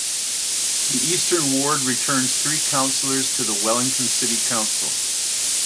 The Eastern ward returns three councillors to the Wellington City Council.